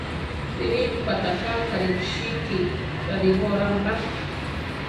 Tirimpa ta ka Karichiki rariborampa.